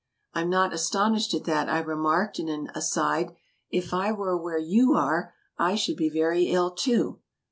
"I'm not astonished at that," I remarked, in an "aside." "If I were where you are I should be very ill too."